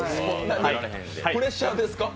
プレッシャーですか？